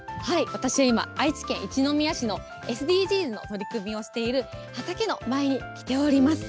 私は今、愛知県一宮市のＳＤＧｓの取り組みをしている畑の前に来ております。